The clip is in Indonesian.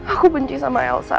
aku benci sama elsa